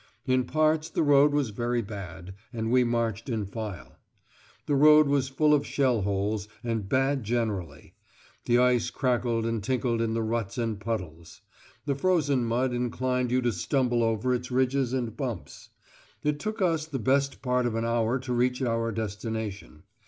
In parts the road was very bad, and we marched in file. The road was full of shell holes, and bad generally; the ice crackled and tinkled in the ruts and puddles; the frozen mud inclined you to stumble over its ridges and bumps. It took us the best part of an hour to reach our destination.